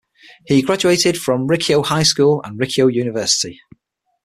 He graduated from Rikkyo High School and Rikkyo University.